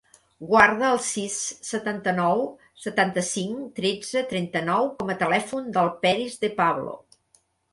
Guarda el sis, setanta-nou, setanta-cinc, tretze, trenta-nou com a telèfon del Peris De Pablo.